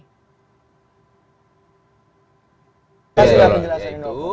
terima kasih sudah menjelaskan indro